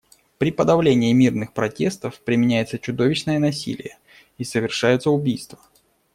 При подавлении мирных протестов применяется чудовищное насилие и совершаются убийства.